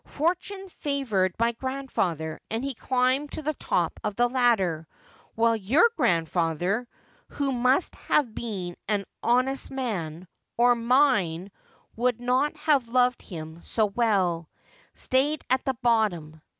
Fortune favoured my grandfather and he climbed to the top of the ladder, while your grandfather — whp must have been an honest man, or mine would not have loved him so well — stayed at the bottom.